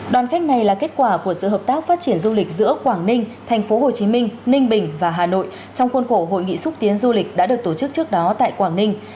đoàn khách này là kết quả của sự hợp tác phát triển du lịch giữa quảng ninh thành phố hồ chí minh ninh bình và hà nội trong khuôn khổ hội nghị xúc tiến du lịch đã được tổ chức trước đó tại quảng ninh